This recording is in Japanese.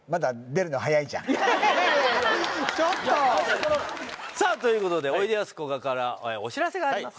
ちょっとということでおいでやすこがからお知らせがあります